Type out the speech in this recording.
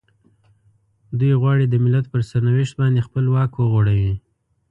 دوی غواړي د ملت پر سرنوشت باندې خپل واک وغوړوي.